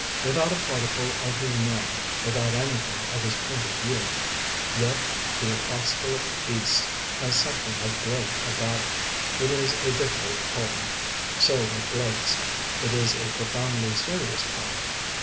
Without a particle of his manner, without anything of his point of view, yet "The Apostolic Beasts" has some thing of Blake about it. It is a diffi cult poem, so were Blake's ; it is a pro foundly serious poem.